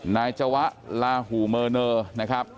นายจวะลาหูเมอร์เนอร์นะครับ